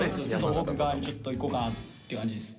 東北側にちょっと行こうかなって感じです。